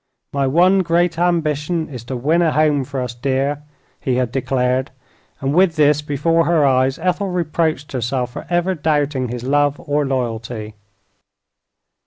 "My one great ambition is to win a home for us, dear," he had declared, and with this before her eyes Ethel reproached herself for ever doubting his love or loyalty.